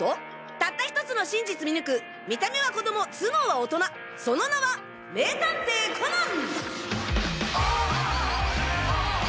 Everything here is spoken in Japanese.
たった１つの真実見抜く見た目は子供頭脳は大人その名は名探偵コナン！